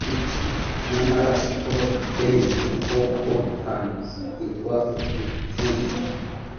Nyamara siko biteye kuko aho hantu hitwa ku Rucunshu